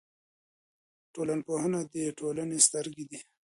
ټولنپوهنه د ټولنې سترګې دي.